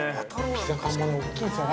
ピザパンも大きいんですよね。